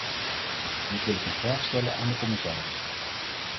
Dus wil ik een vraag stellen aan de commissaris.